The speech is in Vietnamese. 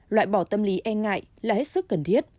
loại bỏ tâm lý e ngại là hết sức cần thiết